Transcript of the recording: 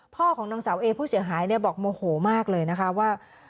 ของนางสาวเอผู้เสียหายบอกโมโหมากเลยนะคะว่า